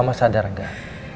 mama sadar gak